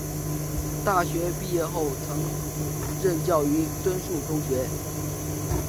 大学毕业后曾任教于敦叙中学。